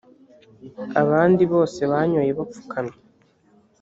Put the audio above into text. abandi bose banyoye bapfukamye